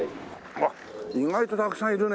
うわっ意外とたくさんいるね。